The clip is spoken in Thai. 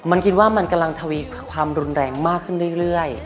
มันคิดว่ามันกำลังทวีความรุนแรงมากขึ้นเรื่อย